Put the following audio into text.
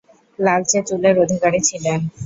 লালচে চুলের অধিকারী ছিলেন।